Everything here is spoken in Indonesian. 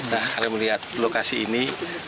nah kalau melihat lokasi ini